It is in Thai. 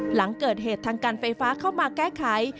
หลังเกิดเหตุทางการไฟฟ้าเข้ามาแก้ไข